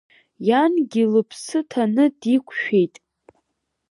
Иангьы лыԥсы ҭаны диқәшәеит.